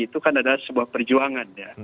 itu kan adalah sebuah perjuangan ya